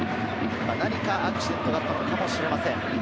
何かアクシデントがあったのかもしれません。